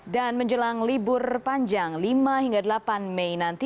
dan menjelang libur panjang lima hingga delapan mei nanti